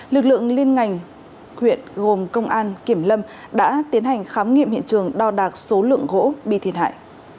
lực lượng liên ngành huyện gồm công an kiểm lâm đã tiến hành khám nghiệm hiện trường đo đạc số lượng gỗ bị thiệt hại